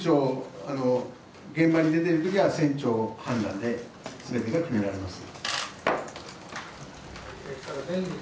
現場に出ていれば船長判断で全てが決められます。